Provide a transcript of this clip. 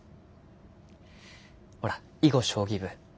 ほら囲碁将棋部